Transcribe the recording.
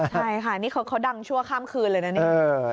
ใช่ค่ะนี่เขาดังชั่วข้ามคืนเลยนะเนี่ย